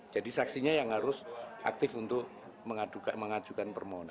saksinya yang harus aktif untuk mengajukan permohonan